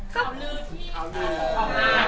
เขาลืด